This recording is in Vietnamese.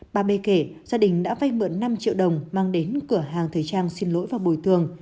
ba b kể gia đình đã vay mượn năm triệu đồng mang đến cửa hàng thời trang xin lỗi và bồi thường